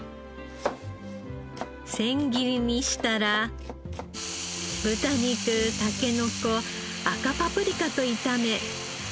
千切りにしたら豚肉たけのこ赤パプリカと炒め。